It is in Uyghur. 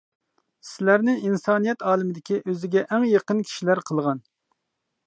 سىلەرنى ئىنسانىيەت ئالىمىدىكى ئۆزىگە ئەڭ يېقىن كىشىلەر قىلغان.